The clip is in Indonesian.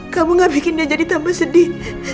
kamu gak bikin dia jadi tambah sedih